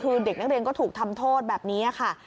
คือเด็กนักเรียนก็ถูกทำโทษแบบนี้ค่ะ